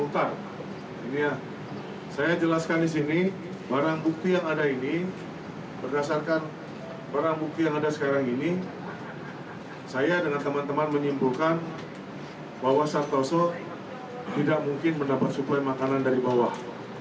tidak mungkin mendapat suku yang makanan dari bawah